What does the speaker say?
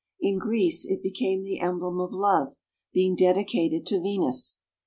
In Greece it became the emblem of love, being dedicated to Venus.